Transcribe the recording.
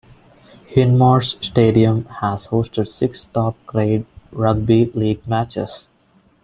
Hindmarsh Stadium has hosted six top grade rugby league matches.